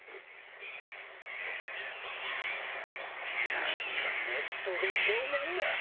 何がネットで評判だ！